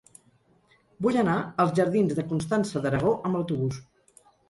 Vull anar als jardins de Constança d'Aragó amb autobús.